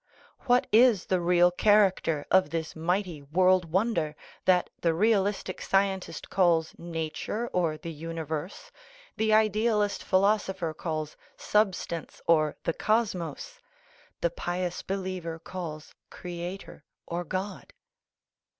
What is the real character of this mighty world wonder that the realistic scientist calls Nature or the Universe, the idealist philosopher calls Substance or the Cosmos, the pious believer calls Creator or God?